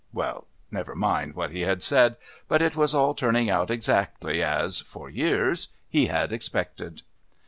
Well, never mind what he had said, but it was all turning out exactly as, for years, he had expected.